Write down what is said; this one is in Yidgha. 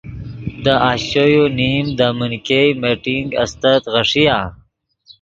دے اشچو یو نیم دے من ګئے میٹنگ استت غیݰیآ۔